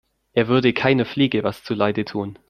Er würde keiner Fliege was zu Leide tun.